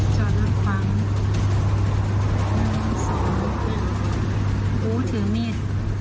จอดหลักฟังหนึ่งสองอู๋ถือมีด